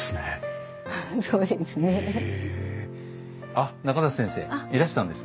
あっ中里先生いらしてたんですね。